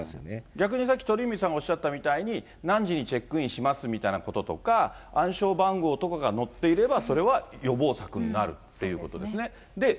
逆にさっき鳥海さんがおっしゃったみたいに、何時にチェックインしますみたいなこととか、暗証番号とかが載っていれば、それは予防策になるということですね。